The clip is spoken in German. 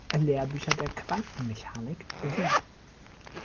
Lehrbücher der Quantenmechanik wie